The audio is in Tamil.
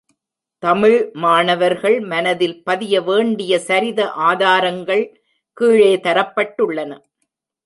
தமிழ் மாணவர்கள் மனதில் பதிய வேண்டிய சரித ஆதாரங்கள் கீழே தரப்பட்டுள்ளன.